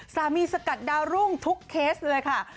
สกัดดาวรุ่งทุกเคสเลยค่ะ